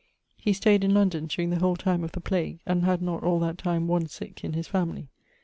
He stayed in London during the whole time of the plague, and had not all that time one sick in his family.